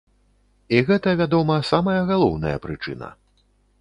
І гэта, вядома, самая галоўная прычына.